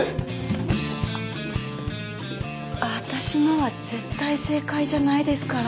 私のは絶対正解じゃないですから。